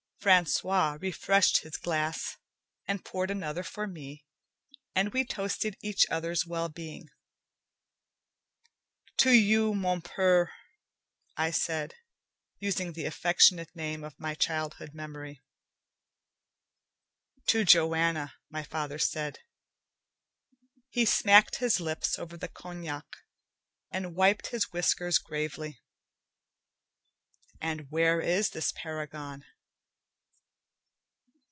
Francois refreshed his glass, and poured another for me, and we toasted each other's well being. "To you, mon purr," I said, using the affectionate name of my childhood memory. "To Joanna," my father said. He smacked his lips over the cognac, and wiped his whiskers gravely. "And where is this paragon?"